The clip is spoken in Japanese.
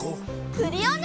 クリオネ！